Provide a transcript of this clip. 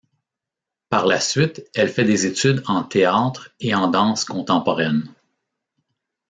Par la suite elle fait des études en théâtre et en danse contemporaine.